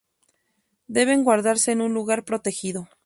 Deben guardarse en un lugar protegido.